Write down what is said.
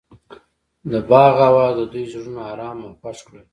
د باغ اواز د دوی زړونه ارامه او خوښ کړل.